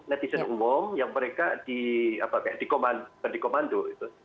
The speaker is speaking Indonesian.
netizen umum yang mereka dikomando